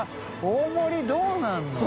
大盛りどうなるの？